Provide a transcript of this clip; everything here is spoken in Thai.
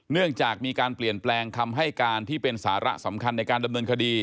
เนื่องจากมีการเปลี่ยนแปลงคำให้การที่เป็นสาระสำคัญในการดำเนินคดี